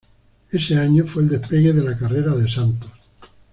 Ese año, fue el despegue de la carrera de Santos.